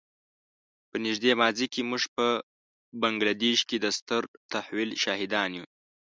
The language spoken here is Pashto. په نږدې ماضي کې موږ په بنګله دېش کې د ستر تحول شاهدان یو.